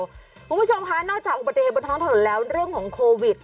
คุณผู้ชมคะนอกจากอุบัติเหตุบนท้องถนนแล้วเรื่องของโควิด